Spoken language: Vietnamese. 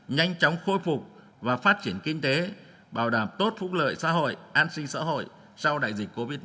nhanh chóng khôi phục và phát triển kinh tế bảo đảm tốt phúc lợi xã hội an sinh xã hội sau đại dịch covid một mươi chín